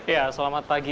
ya selamat pagi